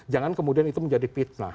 jangan kemudian itu menjadi fitnah